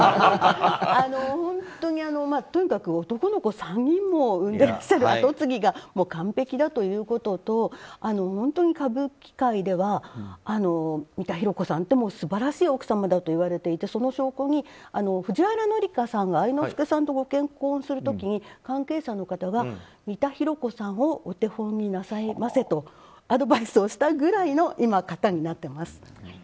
本当に、とにかく男の子３人も産んでいらっしゃる、跡継ぎが完璧だということと本当に歌舞伎界では三田寛子さんって素晴らしい奥様だといわれていてその証拠に、藤原紀香さんが愛之助さんとご結婚する時に関係者の方が三田寛子さんをお手本になさいませとアドバイスをしたぐらいの方に今、なってます。